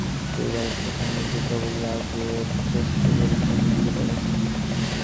সেই ভারতকে সামনে পেয়ে কেবলই আগের টেস্টে করেছেন দ্বিতীয় ডাবল সেঞ্চুরি।